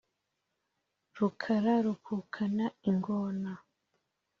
rukara rukukana ingona